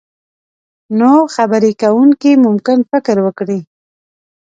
نو خبرې کوونکی ممکن فکر وکړي.